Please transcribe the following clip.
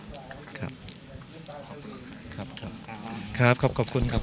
เห็นมีการพูดว่าอาจจะมีการนำระยุบัติบางอย่างครับ